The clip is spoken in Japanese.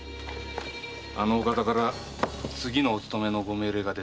あのお方から次のお勤めのご命令が出たからよ。